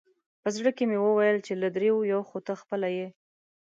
په زړه کې مې وویل چې له درېیو یو خو ته خپله یې.